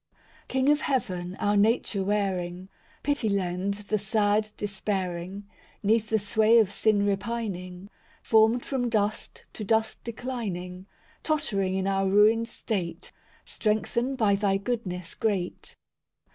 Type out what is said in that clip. I King of heaven, our nature wearing, Pity lend the sad despairing; 'Neath the sway of sin repining, Formed from dust, to dust declining— Tottering in our ruined state, Strengthen by Thy goodness great.